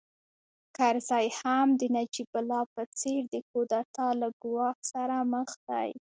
کرزی هم د نجیب الله په څېر د کودتا له ګواښ سره مخ دی